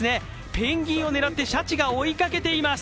ペンギンを狙って、シャチが追いかけています。